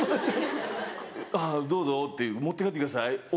「あっどうぞ持って帰ってください。